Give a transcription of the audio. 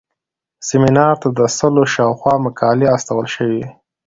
سیمینار ته د سلو شاوخوا مقالې استول شوې وې.